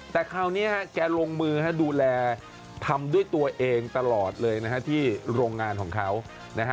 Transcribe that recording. แต่คราวนี้ฮะแกลงมือดูแลทำด้วยตัวเองตลอดเลยนะฮะที่โรงงานของเขานะฮะ